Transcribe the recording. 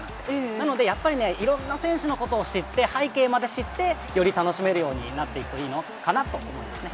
なのでやっぱりね、いろんな選手のことを知って、背景まで知って、より楽しめるようになっていくといいのかなと思いますね。